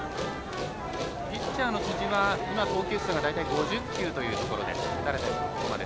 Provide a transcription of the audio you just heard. ピッチャーの辻は投球数は大体５０球というところです。